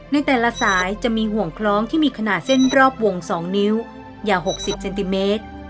ในแต่ละสายจะมีห่วงคล้องที่มีขนาดเส้นรอบวง๒นิ้วยาว๖๐เซนติเมตร